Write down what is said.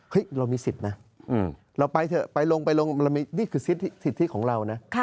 เรามีสิทธิ์นะเราไปเถอะไปลงไปนี่คือสิทธิของเรานะ